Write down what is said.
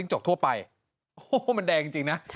โหมันแดงจริงนะ